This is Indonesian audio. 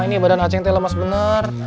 ini badan haceng teh lemas bener